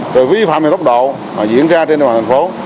rồi vi phạm về tốc độ diễn ra trên đoàn thành phố